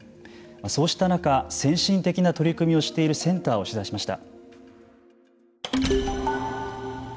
そうした中先進的な取り組みをしているセンターを取材しました。